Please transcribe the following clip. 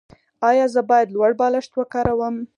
ایا زه باید لوړ بالښت وکاروم؟